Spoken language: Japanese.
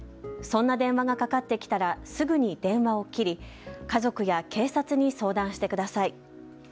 そんな電話がかかってきたらすぐに電話を切り、家族や警察に相談してしてください。